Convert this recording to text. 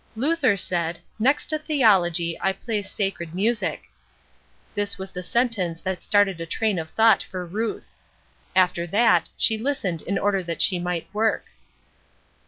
"Luther said: 'Next to theology, I place sacred music.'" This was the sentence that started a train of thought for Ruth. After that, she listened in order that she might work.